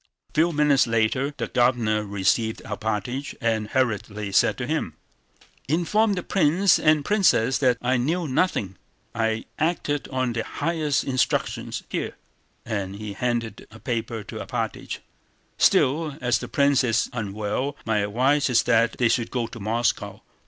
A few minutes later the Governor received Alpátych and hurriedly said to him: "Inform the prince and princess that I knew nothing: I acted on the highest instructions—here..." and he handed a paper to Alpátych. "Still, as the prince is unwell my advice is that they should go to Moscow.